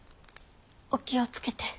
お気を付けて。